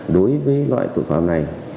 đối với loại tội phạm này